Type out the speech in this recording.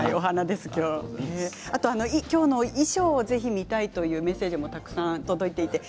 今日の衣装をぜひ見たいというメッセージもたくさん届いています。